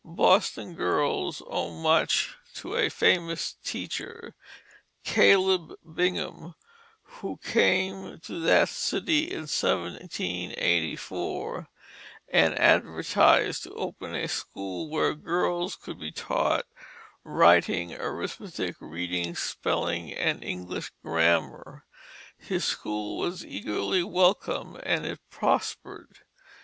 Boston girls owed much to a famous teacher, Caleb Bingham, who came to that city in 1784 and advertised to open a school where girls could be taught writing, arithmetic, reading, spelling, and English grammar. His school was eagerly welcomed, and it prospered.